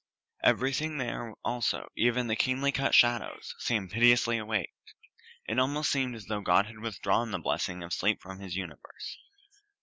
Everything there also, even the keenly cut shadows, seemed pitilessly awake. It almost seemed as though God had withdrawn the blessing of sleep from His universe.